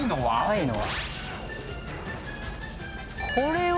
これは。